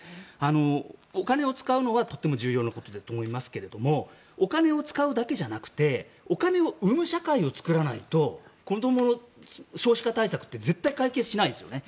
お金を使うのはとても重要なことだと思いますがお金を使うだけじゃなくてお金を生む社会を作らないと少子化対策って絶対に解決しないんですよね。